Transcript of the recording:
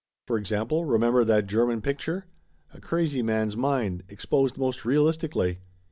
For example, remember that German picture? A crazy man's mind, exposed most realistically.